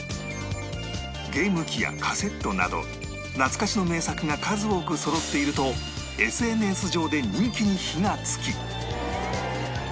ゲーム機やカセットなど懐かしの名作が数多くそろっていると ＳＮＳ 上で人気に火がつき